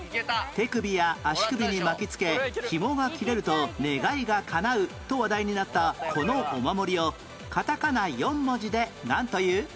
手首や足首に巻きつけヒモが切れると願いがかなうと話題になったこのお守りをカタカナ４文字でなんという？